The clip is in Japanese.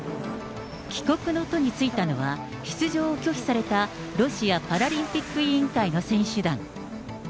帰国の途に就いたのは、出場を拒否されたロシアパラリンピック委員会の選手団。